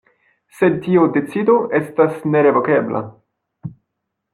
Sed tiu decido estas nerevokebla.